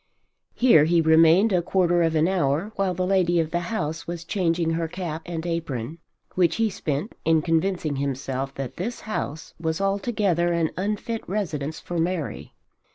Here he remained a quarter of an hour while the lady of the house was changing her cap and apron, which he spent in convincing himself that this house was altogether an unfit residence for Mary.